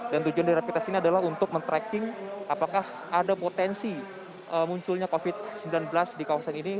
dan tujuan dari rapid test ini adalah untuk men tracking apakah ada potensi munculnya covid sembilan belas di kawasan ini